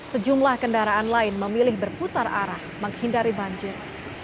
sejumlah kendaraan lain memilih berputar arah menghindari banjir